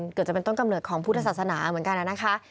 เกือบจะเป็นต้นกำเนิดของพุทธศาสนาเหมือนกันนะคะ